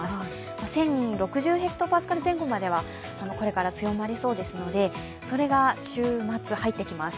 １０６０ｈＰａ前後まではこれから強まりそうですのでそれが週末入ってきます。